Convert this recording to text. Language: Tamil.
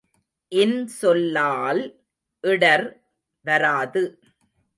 இன்சொல்லால் இடர் வராது.